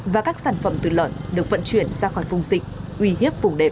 và các sản phẩm từ lợn được vận chuyển ra khỏi vùng dịch uy hiếp vùng đệm